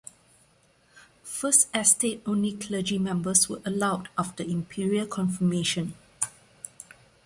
First Estate only Clergy members were allowed after imperial confirmation.